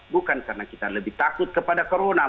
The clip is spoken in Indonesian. bukan karena kita lebih takut kepada corona